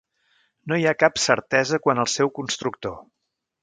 No hi ha cap certesa quant al seu constructor.